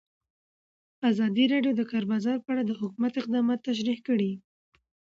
ازادي راډیو د د کار بازار په اړه د حکومت اقدامات تشریح کړي.